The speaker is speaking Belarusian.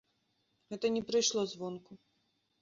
Гэта не прыйшло звонку.